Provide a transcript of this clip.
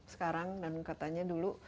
sekarang dan katanya dulu